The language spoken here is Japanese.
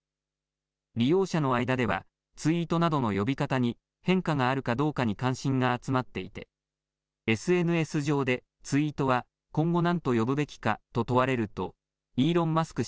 利用者の間ではツイートなどの呼び方に変化があるかどうかに関心が集まっていてＳＮＳ上でツイートは今後、何と呼ぶべきかと問われるとイーロン・マスク